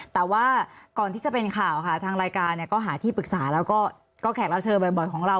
แต่ว่าก่อนที่จะเป็นข่าวค่ะทางรายการก็หาที่ปรึกษาแล้วก็แขกรับเชิญบ่อยของเรา